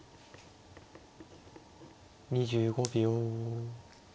２５秒。